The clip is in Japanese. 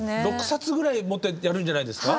６冊ぐらい持ってやるんじゃないですか？